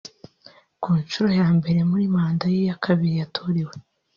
Ku nshuro ya mbere muri manda ye ya kabiri yatorewe